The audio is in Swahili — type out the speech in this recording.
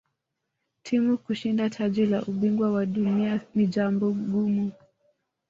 timu kushinda taji la ubingwa wa dunia ni jambo gumu